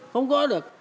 không có được